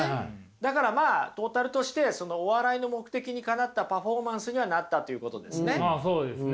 だからトータルとしてお笑いの目的にかなったパフォーマンスにはなったということですね。